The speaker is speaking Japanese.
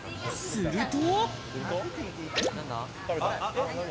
すると。